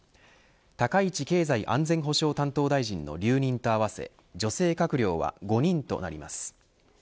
高市経済安全保障担当大臣の留任と合わせ女性閣僚は５人となります。